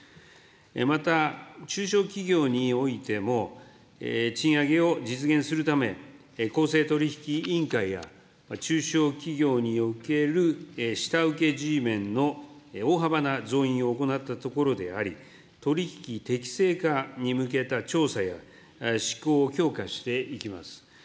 また、中小企業においても、賃上げを実現するため、公正取引委員会や中小企業における下請けＧメンの大幅な増員を行ったところであり、取り引き適正化に向けた調査や、しこうを強化していきます。